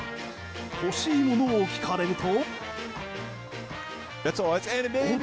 欲しいものを聞かれると。